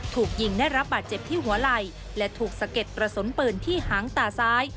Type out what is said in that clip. ถูกยิงได้รับบาดเจ็บที่หัวไหล่และถูกสะเก็ดกระสุนปืนที่หางตาซ้าย